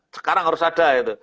sekarang harus ada gitu